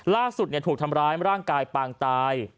ล่าสุดถูกทำร้ายร่างกายปางตาย